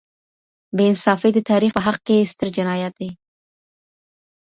بې انصافي د تاریخ په حق کي ستر جنایت دی.